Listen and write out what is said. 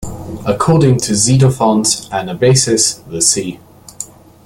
According to Xenophon's Anabasis, The Sea!